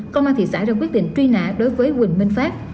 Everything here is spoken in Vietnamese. công an thị xã ra quyết định truy nạ đối với huỳnh minh pháp